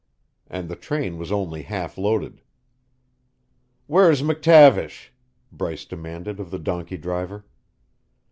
And the train was only half loaded. "Where's McTavish?" Bryce demanded of the donkey driver.